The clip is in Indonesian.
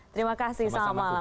terima kasih selamat malam